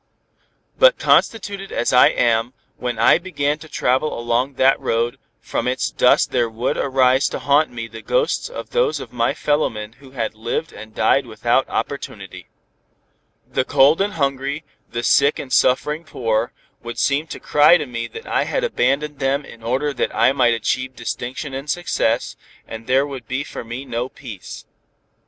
But constituted as I am, when I began to travel along that road, from its dust there would arise to haunt me the ghosts of those of my fellowmen who had lived and died without opportunity. The cold and hungry, the sick and suffering poor, would seem to cry to me that I had abandoned them in order that I might achieve distinction and success, and there would be for me no peace."